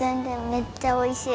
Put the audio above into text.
めっちゃおいしい。